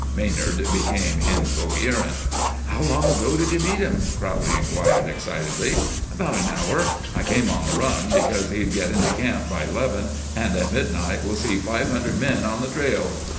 Maynard became incoherent. "How long ago did you meet him?" Crowley inquired, excitedly. "About an hour. I came on the run, because he'll get into camp by eleven, and midnight will see five hundred men on the trail.